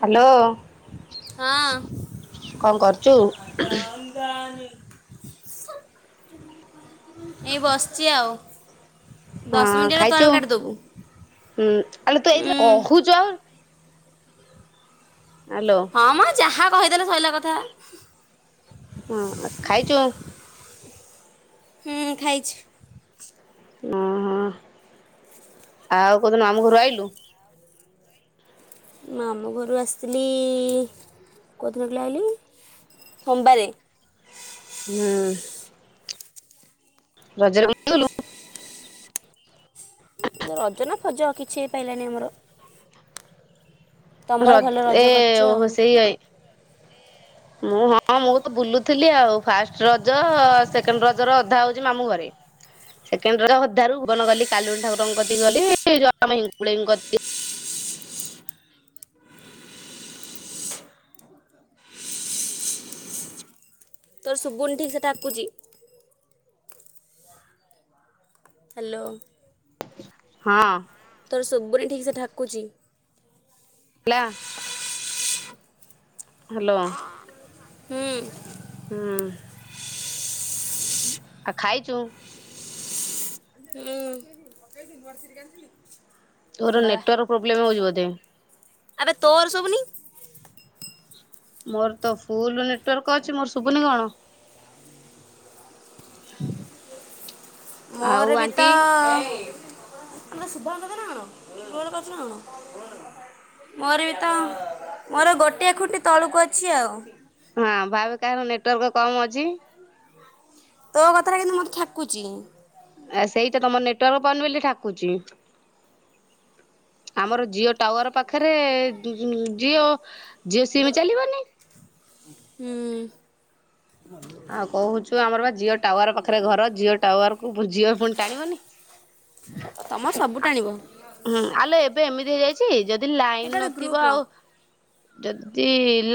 Hello ହଁ କଣ କରୁଛୁ? ଏଇ ବସିଛି ଆଉ? ହଁ ଦଶ ମିନିଟ୍ ହେଲେ ଖାଇଛୁ ତର କାଟିିଦବୁ। ହୁଁ ଆଲୋ ତୁ ଏଇଥିରେ ହ [unintelligible] ହ୍ୟାଲୋ ହଁ ମା ଯାହା କହିଦେଲେ ଶୋଇଲାା କଥା। ହୁଁ ଖାଇଛୁ? ହୁଁ ଖାଇଛି। ଓହୋ ଆଉ କୋଉ ଦିନୁ ଆମ ଘରୁ ଆଇଲୁ? ମ ଆମ ଘରୁ ଆସିଥିଲି କେଉତିନଖ ଆଇଲି? ସୋମବାରେ ହୁଁ ରଜ ର ରଜନା ଫଜ କିଛି ପାଇଲାନି ଆମର। ତମର ର ଭଲ ଏ ରଜ କରିଛ ଓ ଆଉ ହ ସେଇ [unintelligible] ମୁଁ ହଁ ମୁଁ ତ ବୁଲୁଥିଲି ଆଉ ଫାଷ୍ଟ ରଜ ସେକେଣ୍ଡ ରଜ ର ଅଧା ହଉଛି ମାମୁଁ ଘରେ। ସେକେଣ୍ଡ ହଧାରୁ ଭୁବନ ଗଲି କଲୁନି ଠାକୁରଙ୍କ କତି ଗଲି [unintelligible] ତୋର ସୁବୁନ ଠିକ୍ ସେ ଠାକୁଛି। ହ୍ୟାଲୋ ହଁ ତୋର ସବୁଣି ଠିକସେ ଠାକୁଛି। ହେଲା ହ୍ୟାଲୋ ହଁ ହୁଁ ଆଉ ଖାଇଛୁ? ଉଂ ତୋର ନେଟୱାର୍କ ପ୍ରୋବଲେମ ହେଉଛି ବୋଧେ? ଏବେ ତୋର ସବୁନି। ମୋର ତ ଫୁଲ ନେଟୱାର୍କ ଅଛି ମୋର ଶୁଭୁନି କଣ? ହ ମୋର ବି ତ ଆେ ଶୁଭାଙ୍କ କଥା [unintelligible] [unintelligible] କୁର କଛ ନା କଣ? ମୋର ବି ତ ମୋର ଗୋଟିଏ ଖୁଟି ତଳୁକୁ ଅଛି ଆଉ। ହଁ ଭାଵେ କାହାର ନେଟୱାର୍କ କମ ଅଛି? ତୋ କଥଟା କିନ୍ତୁ ମୋତେ ଠାକୁଛି। ଆ ସେଇ ତ ତମ ନେଟୱାର୍କ ପଉନି ବୋଲି ଠାକୁଛି। ଆମର ଜିଓ ଟାୱାର ପାଖରେ ଜିଓ ଜିଓ ସିମ୍ ଚାଲିବନି? ହୁଁ ଆଉ କହୁଛୁ ଆମର ବା ଜିଓ ଟାୱାର ପାଖରେ ଘର ଜିଓ ଟାୱାର କୁ ଜିଓ ଫୋନ୍ ଟାଣିବନି। ତମର ସବୁ ଟାଣିବ। ହୁଁ ଆଲୋ ଏବେ ଏମିତି ହେଇଯାଇଛି ଯଦି ଏଇଟା ଲାଇନ ଗୋଟେ ନଥିବ ଗ୍ରୁପ୍ର ଆଉ ଯଦି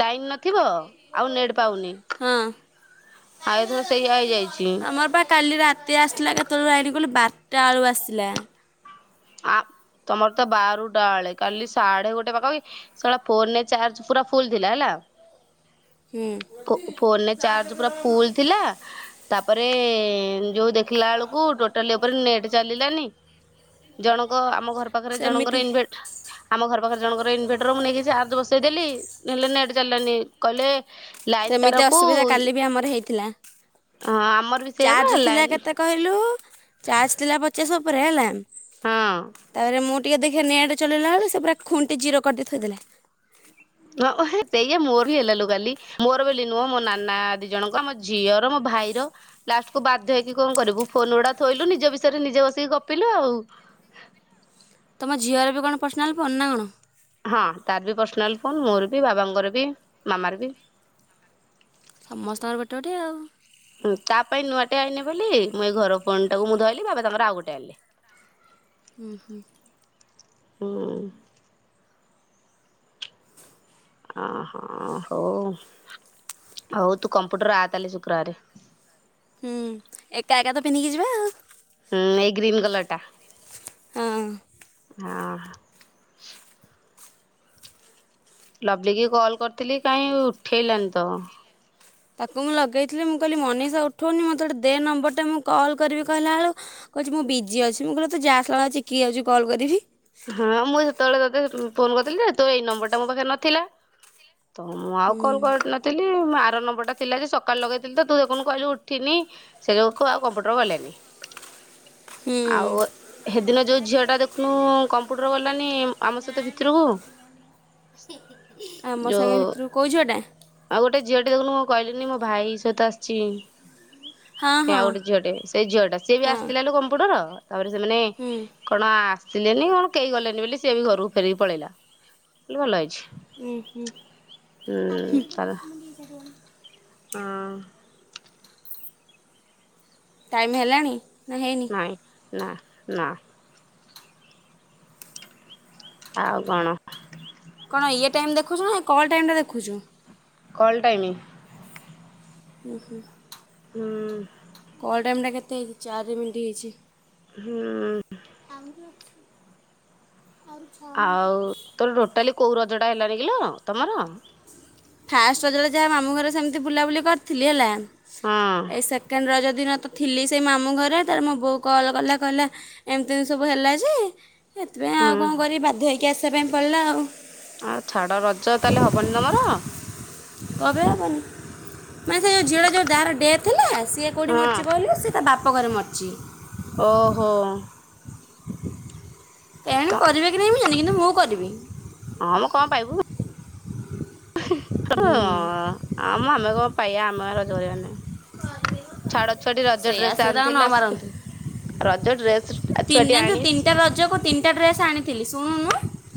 ଲାଇନ ନଥିବ ଆଉ ନେଟ୍ ପାଉନି। ହଁ ଆଉ ଏଥର ସେଇଆ ହେଇଯାଇଛି ଆମର ବା କାଲି ରା ତି ଆସିଲା କେତେବେଳୁ ଲାଇଟ୍ କହିଲୁ ବାରଟା ବେଳୁ ଆସିଲା। ଆ ତମର ତ ବାରୁଟା ବେଳେ କାଲି ସାଢେ ଗୋଟେ ପାଖାପାଖି ! ! ! ! ! ! ! ! ! ! ଫୋନରେ ଚାର୍ଜ ପୁରା ଫୁଲ୍ ଥିଲା ହେଲା। ହୁଁ ଫୋ ଫୋନରେ ଚାର୍ଜ ପୁରା ଫୁଲ୍ ଥିଲା। ତାପରେ ଯୋଉ ଦେଖିଲା ବେଳକୁ ଟୋଟାଲି ଉପରେ ନେଟ୍ ଚାଲିଲାନି। ଜଣଙ୍କ ଆମ ଘର ପାଖରେ ଜଣଙ୍କର ସେମିତି ଇନଭେ ଆମ ଘର ପାଖରେ ଜଣଙ୍କର ଇନଭେଟର ମୁଁ ନେଇକି ଚାର୍ଜ ବସେଇଦେଲି। ହେଲେ ନେଟ୍ ଚାଲିଲାନି କହିଲେ ଲାଇନ ସେମିତି ତାରକୁ ଅସୁବିଧା କାଲି ହଁ ବି ଆମର ହେଇଥିଲା ଆମର ବି ସେଇଆ ବା ଚାର୍ଜ ଥିଲା ଲାଇନ କେତେ କହିଲୁ ଚାର୍ଜ ଥିଲା ପଚାଶ ଉପରେ ହେଲା ହଁ ତାପରେ ମୁଁ ଟିକେ ଦେଖିଆ ନେଟ୍ ଚଲେଇଲା ବେଳୁ ସିଏ ପୁରା ଖୁଣ୍ଟି ଜିରୋ କରିଦେଇ ଥୋଇଦେଲେ। ଓହୋ ହେ ସେଇଆ ମୋର ବି ହେଲା ଲୋ କାଲି ମୋର ବଲି ନୁହଁ ମୋ ନାନା ଦି ଜଣଙ୍କ ଆମ ଝିଅର ମୋ ଭାଇର ଲାଷ୍ଟକୁୁ ବାଧ୍ୟ ହେଇକି କଣ କରିବୁ ଫୋନ ଗୋଡା ଥୋଇଲୁ ନିଜ ବିଷୟରେ ନିଜେ ବସିକି ଗପିଲୁ ଆଉ। ତମ ଝିଅର ବି କଣ ପର୍ସନାଲ୍ ଫୋନ୍ ନା କଣ? ହଁ ତାର ବି ପର୍ସନାଲ୍ ଫୋନ୍ ମୋର ବି ବାବାଙ୍କର ବି ମାମାର ବି। ସମସ୍ତଙ୍କର ଗୋଟେ ଗୋଟେ ଆଉ। ଉଁ ତା ପାଇଁ ନୂଆଟେ ଆଇନେ ବୋଲି ମୁଁ ଏଇ ଘର ଫୋନଟାକୁ ମୁଁ ଧଇଲିି ବାବା ତାଙ୍କର ଆଉ ଗୋଟେ ଆଣିଲେ। ଉଁ ହୁଁ। ହୁଁ। ଅହୋ ହଉ ହଉ ତୁ କମ୍ପୁଟର ଆ ତାହେଲେ ଶୁକ୍ରବାରେ। ହୁଁ ଏକା ଏକା ତ ପିନ୍ଧିକି ଯିବା ଆଉ। ହୁଁ ଏଇ ଗ୍ରୀନ୍ କଲରଟା। ହଁ। ହଁ। ଲଭଲିକି କଲ୍ କରିଥିଲି କାଇଁ ଉଠେଇଲାନି ତ। ତାକୁ ମୁଁ ଲଗେଇଥିଲି ମୁଁ କହିଲି ମନିଷା ଉଠଉନି ମୋତେ ଗୋଟେ ଦେ ନମ୍ବରଟେ ମୁଁ କଲ୍ କରିବି କହିଲା ବେଳୁ କହୁଚି ମୁଁ ବିଜି ଅଛି ମୁଁ କହିଲି ହଉ ତୁ ଯା! ! ! ! ! ! ! ! ! ! ! ଚିକିକି ଯାଉଚି କଲ୍ କରିବି। ହଁ ମୁଁ ସେତେବେଳେ ତତେ ଫୋନ କରିଥିଲି ଯେ ତ ଏଇ ନମ୍ବରଟା ମୋ ପାଖରେ ନଥିଲା। ତ ମୁଁ ଆଉ ହୁଁ କଲ୍ କରି ନ ଥିଲି ମୋ ଆର ନମ୍ବଟା ଥିଲା ଯେ ସକାଳେ ଲଗେଇଥିଲି ତ ତୁ ଯଉଖୁଣୁ କହିଲୁ ଉଠିନି। ସେ [unintelligible] ଆଉ କମ୍ପୁଟର ଗଲେନି। ହୁଁ ଆଉ ହେଦିନ ଯୋଉ ଝିଅଟା ଦେଖୁନୁ କମ୍ପୁଟର ଗଲାନି ଆମ ସହିତ ଭିତୁରୁକୁ। ଆମ ସାଙ୍ଗେ ଯୋଉ ଭିତୁରୁକୁ କୋଉ ଝିଅଟା? ଆଉ ଗୋଟେ ଝିଅଟେ ଦେଖୁନୁ ମୁଁ କହିଲିିନି ମୋ ଭାଇ ସହିତ ଆସିଚି। ହଁ ସେ ହଁ ଆଉ ଗୋଟେ ଝିଅଟେ ସେଇ ଝିଅଟା ସିଏ ବି ହଁ ଆସିଥିଲା ଲୋ କମ୍ପୁଟର ତାପରେ ସେମାନେ ହୁଁ କଣ ଆସିଲେନି କଣ କେହି ଗଲେନି ବୁଲି ସିଏ ବି ଘରକୁ ଫେରିକି ପଳେଇଲା କହିଲି ଭଲ ହେଇଚି। ଉଁ ହୁଁ ତାର ହୁଁ। ହଁ। ଟାଇମ୍ ହେଲାଣି ନା ହେଇ ନାଇଁ ନା ନା। ଆଉ କଣ? କଣ ଇଏ ଟାଇମ୍ ଦେଖୁଚୁନା ଏ କଲ୍ ଟାଇମଟା ଦେଖୁଚୁ। କଲ୍ ଟାଇମି। ଉଁ ହୁଁ। ହୁଁ। କଲ୍ ଟାଇମ୍ ଟା କେତେ ହେଇଚି? ଚାରି ମିଣ୍ଟି ହେଇଚି। ହୁଁ। ଆମର ଅଛୁ ଆହୁ ଆଉ, ତୋର ଟୋଟାଲି କୋଉ ରଜଟା ହେଲାନି କିଲ ତମର? ଫାଷ୍ଟ ରଜ ଟା ଯାହା ମାମୁଁ ଘରେ ସେମିତି ବୁଲାବୁଲି କରିଥିଲି ହେଲା, ହଁ ଏ ସେକେଣ୍ଡ ରଜ ଦିନ ତ ଥିଲି ସେଇ ମାମୁଁ ଘରେ ତାର ମୋ ବୋଉ କଲ୍ କଲା କହିଲା ଏମିତି ସବୁ ହେଲା ଯେ ସେଥିପାଇଁ ଆଉ ହୁଁ କଣ କରିବି ବାଧ୍ୟ ହେଇକି ଆସିବା ପାଇଁ ପଡ଼ିଲା ଆଉ। ଆଉ ଛାଡ ରଜ ତାହେଲେ ହବନି ତମର? କରେ ବୁନ୍ ମାନେ ସେ ଝିଅର ଯୋଉ ଯାହାର ଡେଥ୍ ହେଲା, ସିଏ କେଉଠି ହଁ ମରିଛି କହିଲୁ? ସିଏ ତା ବାପଘରେ ମରିଛି। ଓହୋ। କେଆଣି ତ କରିବେ କି ନାହିଁ ମୁଁ ଜାଣିନି କିନ୍ତୁ ମୁଁ କରିବି। ହଁ ମ କଣ ପାଇବୁ। ହୁଁ ଆମ ଆମେ କଣ ପାଇବା ଆମେ ରଜ କରିବାନି, ଛାଡ ଛୁଆଟି ରଜ ଡ୍ରେସ୍ ଆଣିଥିଲା ସେ ତିନ୍ ଜାଣିଛୁ, ତିନିଟା ରଜକୁ ତିନିଟା ଡ୍ରେସ୍ ଆଣିଥିଲି ଶୁଣୁନୁ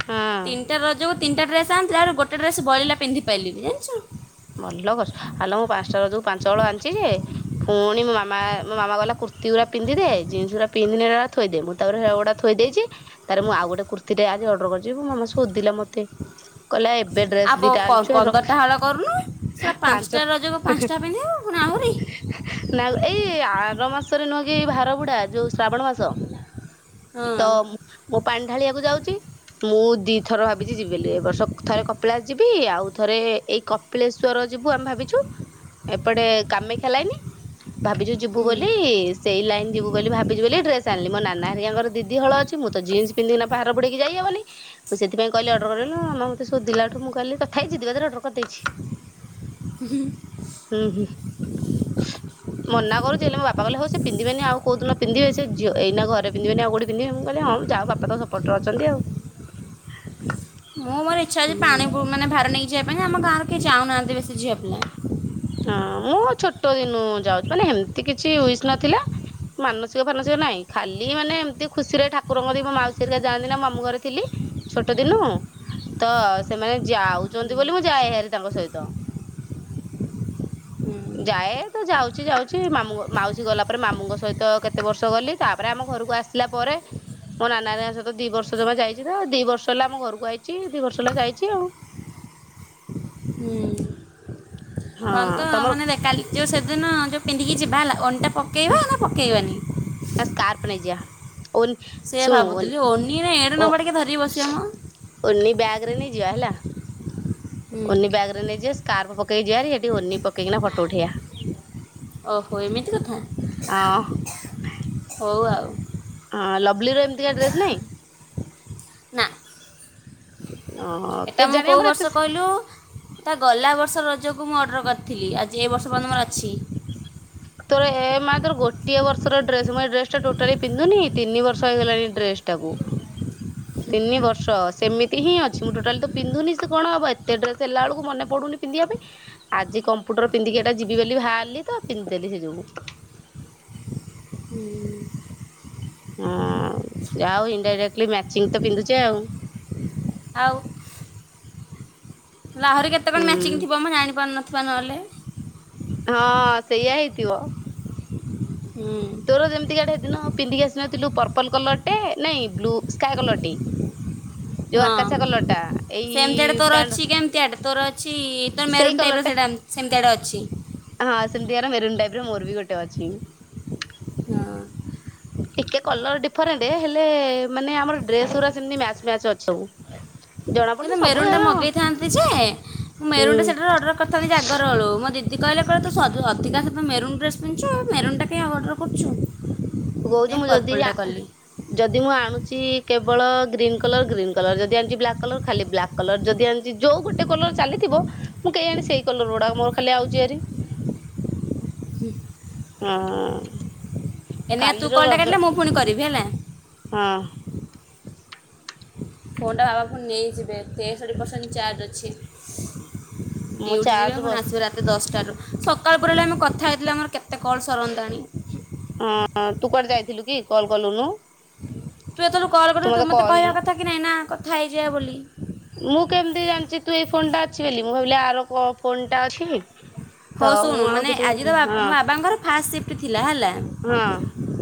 ହଁ ତିନିଟା ରଜକୁ ତିନିଟା ଡ୍ରେସ୍ ଆଣିିଥିଲି, ଆହୁରି ଗୋଟେ ଡ୍ରେସ୍ ବଳିଲା, ପିନ୍ଧି ପାରିଲିନି ଜାଣିଛୁ। ଭଲ କରିଛ। ଆଲୋ ମୁଁ ପାଞ୍ଚଟା ରଜକୁ ପାଞ୍ଚ ହଳ ଆଣିଛି ଯେ ପୁଣି ମୋ ମାମା, ମାମା କହିଲା କୁର୍ତି ରା ପିନ୍ଧିଦେ, ଜିନ୍ସ୍ ଗୁଡା ପିନ୍ଧିନି ସେରା ଥୋଇଦେ। ତାପରେ ସେଗୁଡ଼ା ଥୋଇଦେଇଛି। ତାରେ ମୁଁ ଆଉ ଗୋଟେ କୁର୍ତି ଟେ ଆଜି ଅଡର କରିଛି, ମୋ ମାମା ସୋଧୀଲା ମତେ। କହିଲା ଏବେ ଆଉ ଡ୍ରେସ୍ ପ- ଦିଟା ପ- ଆଣିଛୁ, ଆ ପନ୍ଦରଟା ରଖ ହଳ କରୁନୁ। ସେଟା ପାଞ୍ଚ ପାଞ୍ଚଟା ରଜକୁ ପାଞ୍ଚଟା ପିନ୍ଧିବୁ ଫୁଣି ଆହୁରି। ନା ଏଇ ଆର ମାସରେ ନୁହେଁ କି ଭାର ବୁଡା ଯୋଉ ଶ୍ରାବଣ ମାସ? ହଁ ତ ମୁଁ ପାଣିଢାଳିଆକୁ ଯାଉଛି ମୁଁ ଦି ଥର ଭାବିଛି ଯିବି ବୋଲିି। ଏ ବର୍ଷ ଥରେ କପିଳାସ ଯିବି। ଆଉ ଥରେ ଏଇ କପିଳେଶ୍ଵର ଯିବୁ ଆମେ ଭାବିଛୁ, ଏପଟେ କାମେକ୍ଷା ଲାଇନି। ଭାବିଛୁ ଯିବୁ ହୁଁ ବୋଲି ସେଇ ଲାଇନ୍ ଯିବୁ ବୋଲି ଭାବିଚୁ ବୋଲି ଡ୍ରେସ୍ ଆଣିଲି। ମୋ ନନା ହାରିଆଙ୍କର ଦିଦି ଦିଦି ହଳ ଅଛି। ମୁଁ ତ ଜିନ୍ସ୍ ପିନ୍ଧିକିନା ଭାର ବୁଡେଇକି ଯାଇହବନି ମୁଁ ସେଥିପାଇଁ କହିଲି ଅର୍ଡର କରିବାକୁ, ମୋ ମାମା ମତେ ଶୋଧିଲାଠୁ ମୁଁ କହିଲି ତଥାପି ଜିଦି ବାଦରେ ଅର୍ଡର କରିଦେଇଛି। [unintelligible] ହୁଁ ହୁଁ। ମନା କରୁଛି ହେଲେ ମୋ ବାପା କହିଲେ, ହୋଉ ସେ ପିନ୍ଧି ବେନି ଆଉ କୋଉ ଦିନ ପିନ୍ଧିବେ? ସେ ଝିଅ-ଏଇ ନା ଘରେ ପିଧିବେନି ଆଉ କୋଉଠି ପିନ୍ଧିବେ? ମୁଁ କିହିଲି ହମ୍ ଯାଉ ବାପା ତ ସପୋର୍ଟରେ ଅଛନ୍ତି ଆଉ? ମୁଁ ମୋର ଇଚ୍ଛା ଅଛି ପାଣି ବୋହି, ମାନେ ଭାର ନେଇକି ଯିବା ପାଇଁ, ଆମ ଗଁରେ କେହି ଯାଉନାହାନ୍ତି ବେଶୀ ଝିଅ ପିଲା। ହଁ ମୁଁ ଛୋଟ ଦିନୁ ଯାଉଛି, ମାନେ ହେମିତି କିଛି ୱିସ୍ ନଥିଲା ମାନସିକ ଫାନସିକ ନାହିଁ। ଖାଲି ମାନେ ଏମିତି ଖୁସିରେ ଠାକୁରଙ୍କ କତିକି ମୋ ମାଉସୀ ହାରିକା ଯାଆନ୍ତି ନା ମୋ ମାମୁ ଘରେଥିଲି-' ଛୋଟ ଦିନୁ, ତ ସେମାନେ ଯାଉଛନ୍ତି ବୋଲି ମୁଁ ଯାଏ ହାରି ତାଙ୍କ ସହିତ। ହୁଁ ଯାଏ ତ ଯାଉଛି ଯାଉଛି ମାମୁଁ ମାଉସୀ ଗଲା ପରେ ମାମୁଙ୍କ ସହିତ କେତେ ବର୍ଷ ଗଲି ତାପରେ ଆମ ଘରକୁ ଆସି ଆସିଲା ପରେ ମୋ ନାନା ହାରିଙ୍କା ସହିତ ଦି ବର୍ଷ ଜମା ଯାଇଛି ତ, ଦି ବର୍ଷ ହେଲା ଆମ ଘରକୁ ଆଇଛି। ଦି ବର୍ଷ ହେଲା ଯାଇଛି ଆଉ ହୁଁ। ହଁ କଣ ତ ତମର ମାନେ ରେ କାଲି ଯେଉଁ ସେଦିନ ଯୋଉ ପିନ୍ଧିକି ଯିବା ହେଲା ଓନି ଟା ପକେଇବା ନା ପକେଇବାନି? ସ୍କାର୍ପ ନେଇଯିବା। ଶୁଣୁ ଓନ୍ ସେଇଆ ଶୁଣୁ ଓନ୍, ଭାବୁଥିଲି ଓନି ନା ଏଡ଼େ ଓ ନମ୍ବର ଟିକେ ଧରିକି ବସିବା ମ ଓନି ବ୍ୟାଗ୍ରେ ନେଇ ଯିବା ହେଲା। ହୁଁ ଓନି ବ୍ୟାଗ୍ ରେ ନେଇଯିବା ସ୍କାର୍ପ ପକେଇ ଯିବା ହାରି, ସେଠି ଓନି ପକେଇକିନା ଫଟୋ ଉଠେଇବା। ଓହୋ ଏମିତି କଥା। ହଁ ହଉ ଆଉ। ଅଁ ଲଭ୍ଲିର ଏମିତିକା ଡ୍ରେସ୍ ନାହିଁ? ନା ଅ ଏଟା ମୁଁ କେଜାଣି କୋଉ ଆମର ଏତେ ବର୍ଷ କହିଲୁ? ତା ଗଲା ବର୍ଷ ରଜକୁ ମୁଁ ଅର୍ଡ଼ର କରିଥିଲି। ଆଜି ଏ ବର୍ଷ ପର୍ଯ୍ୟନ୍ତ ମୋର ଅଛି। ତୋର ଏ ମା ତୋର ଗୋଟିଏ ବର୍ଷର ଡ୍ରେସ ମୁ ଡ୍ରେସ ଟା ଟୋଟାଲି ପିନ୍ଧୁନି ତିନି ବର୍ଷ ହେଇଗଲାଣି ଡ୍ରେସ ଟାକୁ। [inaudible] ତିନି ବର୍ଷ ସେମିତି ହିଁ ଅଛି। ମୁଁ ଟୋଟାଲି ତ ପିନ୍ଧୁନି ସେ କଣ ହେବ ଏତେ ଡ୍ରେସ୍ ହେଲାବେଳକୁ ମନେ ପଡୁନି ପିନ୍ଧିବା ପାଇଁ। ଆଜି କମ୍ପ୍ୟୁଟର ପିନ୍ଧିକିଇଟା ଯିବି ବୋଲି ବାହାରିଲି ତ ପିନ୍ଧିଦେଲି ସେ ଯୋଗୁ। ହୁଁ। ହଁ ଯାଉ ଇନଡାଇରେକ୍ଟଲି ମ୍ୟାଚିଂ ତ ପିନ୍ଧୁଛେ ଆଉ। ଆଉ ଲାହୁରି କେତେ କଣ ମ୍ୟାଚିଂ ହୁଁ। ଥିବ ମୁଁ ଜାଣିପାରୁନଥିବା ନହେଲେ। ହଁ ସେୟା ହେଇଥିବ। ହୁଁ ତୋର ଯେମିତିକାଆଡେ ଦିନ ପିନ୍ଧିକି ଆସି ନଥିଲୁ ପର୍ପଲ କଲରଟେ ନାଇଁ ବ୍ଲୁ ସ୍କାାଇ କଲରଟେ। ହଁ ଏଇ ସେମିତିଆଡ଼େ ତୋର ପ୍ୟାଣ୍ଟ ଅଛି କେମତି ଆଡ଼େ ତୋର ଅଛି ତୋର ସେଇ ମେରୁନ୍ କଲର ଟାଇପ ର ଟା ସେଇଟାମ ସେମିତିଆଡ଼େ ଅଛି। ହଁ ସେମିତି କାର ମେରୁନ୍ ଟାଇପ ର ମୋର ବି ଗୋଟେ ଅଛି। ହଁ ଟିକେ କଲର ଡିଫରେଣ୍ଟ ହେଲେ ମାନେ ଆମର ଡ୍ରେସ ଗୁରା ସେମତି ମ୍ୟାଚ ମ୍ୟାଚ ଅଛି ସବୁ। ଜଣା ପଡୁନି କିନ୍ତୁ ସବୁ ମେରୁନ୍ ଟା ଏବେ ମଗେଇଥାନ୍ତି ଯେ ମେରୁନ୍ ଟା ହୁଁ ସେଟାରୁ ଅଡ଼ର୍ ତଥାପି ଜାଗର ବେଳୁ ମୋ ଦିଦି କହିଲା କହିଲା ତୁ ଅଧିକାଶ ତ ମେରୁନ୍ ଡ୍ରେସ ପିନ୍ଧୁଚୁ ମେରୁନ୍ ଟା କଇଁ ଅର୍ଡର କରୁଚୁ? ତୁ କହୁଚୁ ମୁଁ ଯଦି ଜା ଯଦି ମୁଁ ଆଣୁଚି କେବଳ ଗ୍ରୀନ୍ କଲର ଗ୍ରୀନ୍ କଲର ଯଦି ଆଣୁଚି ବ୍ଲାକ୍ କଲର ଖାଲି ବ୍ଲାକ୍ କଲର ଯଦି ଆଣିଚି ଯୋଉ ଗୋଟେ କଲର ଚାଲିଥିବ ମୁଁ କେଇଜାଣି ସେଇ କଲର ଗୁଡାକ ମୋର ଖାଲି ଆଉଚି ହାରି। ହୁଁ। ଏଇନିକା ତୁ କଲ୍ ଟା କାଟିଲେ ମୁଁ ପୁଣି କରିବି ହେଲା। ହଁ। ଫୋନ୍ଟା ଟା ବାବା ଫୁଣି ନେଇଯିବେ ତେଷଠି ପରସେଣ୍ଟ ଚାର୍ଜ ଅଛି। ମୁଁ ଡିଉଟି ଯିବେ ଚାର୍ଜ ପୁଣି ବସି ଆସିବ ରାତି ତି ଦଶଟାରୁ ସକାଳ ପରେଳେ ଆମେ କଥା ହେଇଥିଲେ ଆମର କେତେ କଲ୍ ସରନ୍ତାଣି। ହଁ ତୁ କୁଆଡେ ଯାଇଥିଲୁ କି କଲ୍ କଲୁନୁ? ତୁ ଏତେଳୁ କଲ୍ କରୁ ତୁ ମତେ ମୋତେ କହିଲୁନୁ କହିବା କଥା କି ନାହିଁ ନା କଥା ହେଇଯିବା ବୋଲି। ମୁଁ କେମିତି ଜାଣିଚି ତୁ ଏଇ ଫୋନ ଟା ଅଛି ବୋଲି ମୁଁ ଭାବିଲି ଆର କ ଫୋନ ଟା ଅଛି। ତ ହଉ ମୁଁ ଶୁଣୁ ଆଉ ମାନେ କିଛି ହଁ ଆଜି ତ ବା ମୋ ବାବାଙ୍କର ଫାଷ୍ଟ ସିଫ୍ଟ ଥିଲା ହେଲା। ହଁ।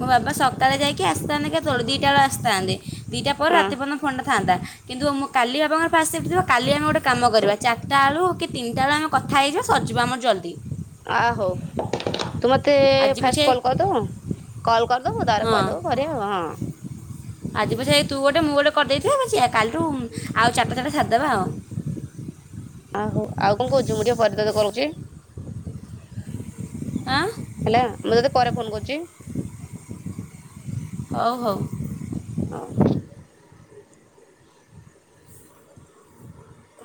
ମୋ ବାପ ସକାଳେ ଯାଇକି ଆସିଥାନ୍ତେ କେ ତବେଳେ ଦିଟା ବେଳେ ଆସିଥାନ୍ତେ ଦୁଇଟା ପରେ ହଁ ରାତି ପନ୍ତ ଫୋନ ଟା ଥାନ୍ତା। କିନ୍ତୁ ମୁଁ କାଲି ବାପାଙ୍କର ଫାଷ୍ଟ ସିପ୍ଟ ଥିବ କଲି ଆମେ ଗୋଟେ କାମ କରିବା ଚାରିଟା ବେଳୁ କି ତିନିଟା ବେଳେ ଆମେ କଥା ହେଇଯିବା ସରିଯିବା ଆମର ଜଲଦି। ଆ ହୋଉ ତୁ ମତେ ଆଜି ଫାଷ୍ଟ ପଛେ କଲ୍ କରିଦବୁ କଲ୍ କରିଦବୁ ତାରେ ହଁ କହିଦବୁ କଇ ଦେ ହଁ। ଆଜି ପଛେ ତୁ ଗୋଟେ ମୁଁ ଗୋଟେ କରିଦେଇଥିବା ପଛିକା କାଲିଠୁ ଆଉ ଚାଟା ଚାଟା ସାରିଦେବା ଆଉ। ଆ ହୋ ଆଉ କଣ କହୁଚୁ ମୁଁ ଟିକେ ପରେ ତତେ କରୁଚି? ହଁ ହେଲା ମୁଁ ତତେ ପରେ ଫୋନ କରୁଚି। ହଉ ହଉ। ହଁ।